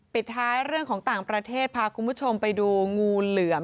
ปิดท้ายเรื่องของต่างประเทศพาคุณผู้ชมไปดูงูเหลือม